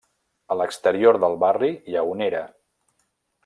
A l'exterior del barri hi ha una era.